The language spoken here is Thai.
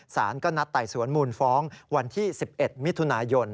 สารก็นัดไต่สวนมูลฟ้องวันที่๑๑มิถุนายน